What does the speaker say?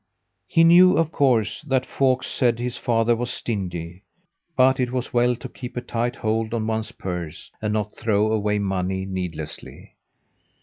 He knew, of course, that folk said his father was stingy; but it was well to keep a tight hold on one's purse and not throw away money needlessly.